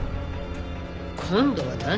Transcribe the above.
今度は何？